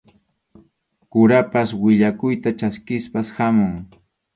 Kurapas willakuyta chaskispas hamun.